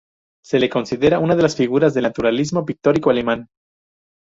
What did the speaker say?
Se le considera una de las figuras del naturalismo pictórico alemán.